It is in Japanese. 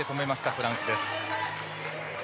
フランスです。